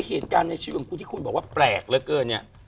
เหตุการณ์ในชีวิตของคุณที่คุณบอกว่าแปลกเหลือเกินเนี่ย